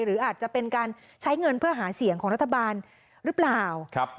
หรืออาจจะเป็นการใช้เงินเพื่อหาเสียงของรัฐบาลหรือเปล่า